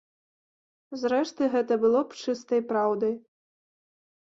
Зрэшты, гэта было б чыстай праўдай.